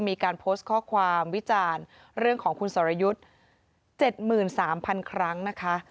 มีการโพสต์ข้อความวิจารณ์เรื่องของคุณสรยุทธ์๗๓๐๐๐ครั้งนะคะ